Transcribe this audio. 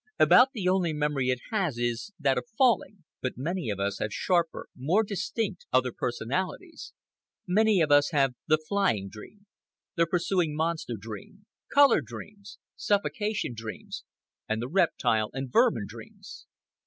About the only memory it has is that of falling. But many of us have sharper, more distinct other personalities. Many of us have the flying dream, the pursuing monster dream, color dreams, suffocation dreams, and the reptile and vermin dreams.